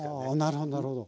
なるほどなるほど。